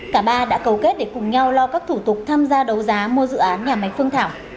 cả ba đã cấu kết để cùng nhau lo các thủ tục tham gia đấu giá mua dự án nhà máy phương thảo